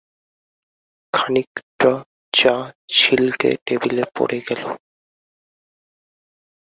খানিকট চা ছিলকে টেবিলে পড়ে গেল।